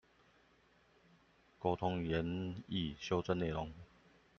溝通研議修正內容